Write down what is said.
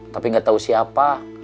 tapi gak tau siapa